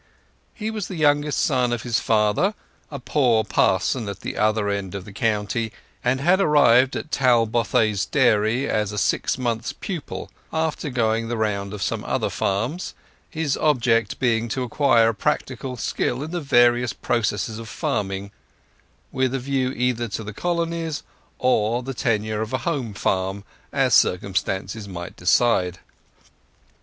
He was the youngest son of his father, a poor parson at the other end of the county, and had arrived at Talbothays Dairy as a six months' pupil, after going the round of some other farms, his object being to acquire a practical skill in the various processes of farming, with a view either to the Colonies or the tenure of a home farm, as circumstances might decide.